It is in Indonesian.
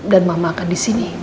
dan mama akan disini